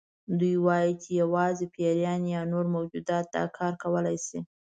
دوی وایي چې یوازې پیریان یا نور موجودات دا کار کولی شي.